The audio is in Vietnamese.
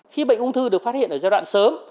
khi bệnh ung thư được phát hiện ở giai đoạn sớm